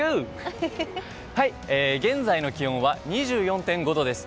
現在の気温は２４．５度です。